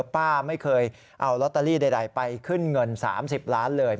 ป้าไม่เคยเอาลอตเตอรี่ใดไปขึ้นเงิน๓๐ล้านเลย